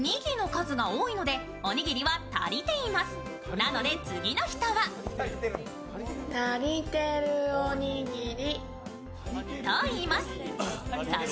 なので、次の人は「ギリギリおにぎり」。